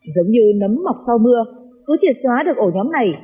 giống như nấm mọc sau mưa cứ triệt xóa được ổ nhóm này